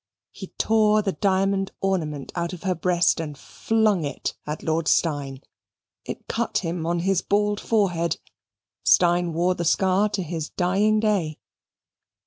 He tore the diamond ornament out of her breast and flung it at Lord Steyne. It cut him on his bald forehead. Steyne wore the scar to his dying day.